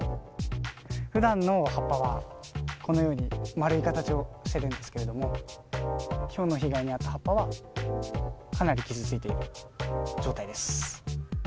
ふだんの葉っぱは、このように丸い形をしてるんですけれども、ひょうの被害に遭った葉っぱは、かなり傷ついている状態です。